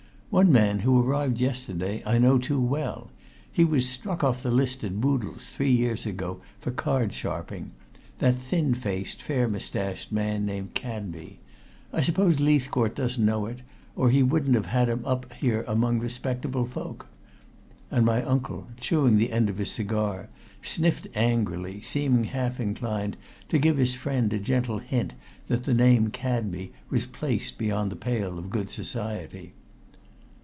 "One man, who arrived yesterday, I know too well. He was struck off the list at Boodle's three years ago for card sharping that thin faced, fair mustached man named Cadby. I suppose Leithcourt doesn't know it, or he wouldn't have him up here among respectable folk." And my uncle, chewing the end of his cigar, sniffed angrily, seeming half inclined to give his friend a gentle hint that the name Cadby was placed beyond the pale of good society.